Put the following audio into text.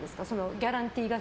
ギャランティーが。